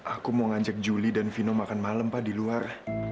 aku mau ngajak julie dan vino makan malam pak di luar